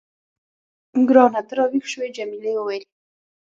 ګرانه، ته راویښ شوې؟ جميلې وويل:.